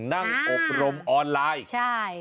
นั่งอบรมออนไลน์